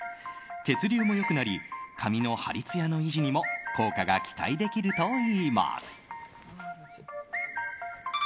血流も良くなり髪のハリツヤの維持にも効果が期待できるといいます。